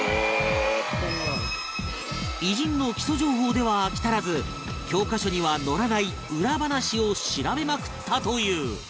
偉人の基礎情報では飽き足らず教科書には載らない裏話を調べまくったという